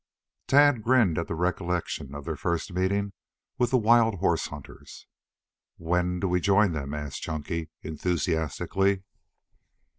Tad grinned at the recollection of their first meeting with the wild horse hunters. "Whe when do we join them?" asked Chunky enthusiastically.